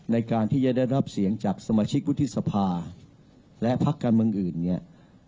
ในการที่จะได้รับเสียงจากสมาชิกวุฒิสภาและพักการเมืองอื่นเนี่ย